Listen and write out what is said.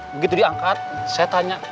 begitu diangkat saya tanya